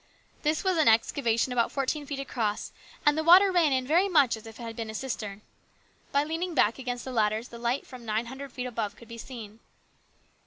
This was an excavation about fourteen feet across, and the water ran in very much as if it had been a cistern. By leaning back against the ladders LARGE RESPONSIBILITIES. C5 the light from nine hundred feet above could be seen.